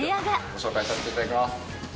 ご紹介させていただきます。